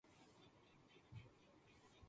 لیکن یہ ان کا کام تھا۔